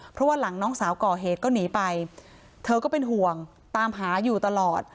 เพราะว่าหลังน้องสาวก่อเหตุก็หนีไปเธอก็เป็นห่วงตามหาอยู่ตลอด